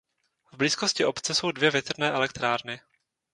V blízkosti obce jsou dvě větrné elektrárny.